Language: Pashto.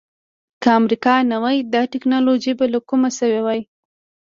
که امریکا نه وای دا ټکنالوجي به له کومه شوې وای.